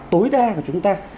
tối đa của chúng ta